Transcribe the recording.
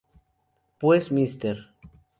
Pues Mr.